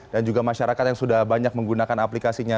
dan juga masyarakat yang sudah banyak menggunakan aplikasinya